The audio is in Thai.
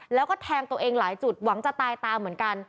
แล้วก็แทงตัวเองหลายจุดหวังจะตายตามเหมือนกัน